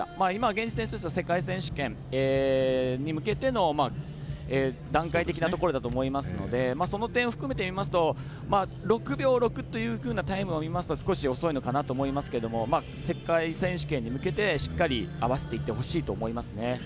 現時点世界選手権に向けての段階的なところだと思いますのでその点含めていいますと６秒６というふうなタイムを見ますと少し遅いのかなと思いますけど世界選手権に向けてしっかり合わせていってほしいと思います。